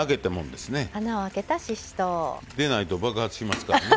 でないと爆発しますからね。